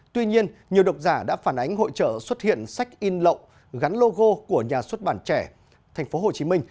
tuy nhiên nhiều độc giả đã phản ánh hội trợ xuất hiện sách in lộng gắn logo của nhà xuất bản trẻ tp hcm